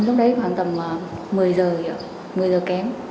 lúc đấy khoảng tầm một mươi giờ kém